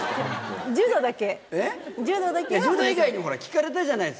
柔道だけ。